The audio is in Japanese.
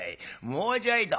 もうちょいと。